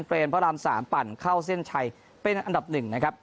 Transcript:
พระราม๓ปั่นเข้าเส้นชัยเป็นอันดับหนึ่งนะครับ